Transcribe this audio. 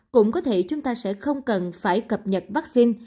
cũng có thể chúng ta sẽ không cần phải cập nhật vaccine